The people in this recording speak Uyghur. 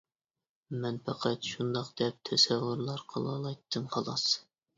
مەن پەقەت شۇنداق دەپ تەسەۋۋۇرلار قىلالايتتىم، خالاس.